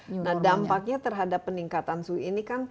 nah dampaknya terhadap peningkatan suhu ini kan